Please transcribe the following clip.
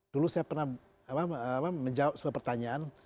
dulu saya pernah menjawab sebuah pertanyaan